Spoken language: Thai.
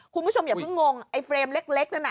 คุณผู้ชมอย่าเพิ่งงงไอ้เฟรมเล็กนั่นน่ะ